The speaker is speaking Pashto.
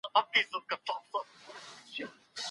هیڅوک حق نه لري چي د بل چا ږغ په پټه توګه ثبت کړي.